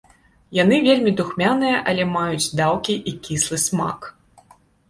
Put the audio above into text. Яны вельмі духмяныя, але маюць даўкі і кіслы смак.